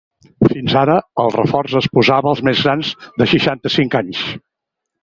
Fins ara, el reforç es posava als més grans de seixanta-cinc anys.